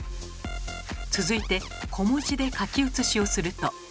続いて小文字で書き写しをすると。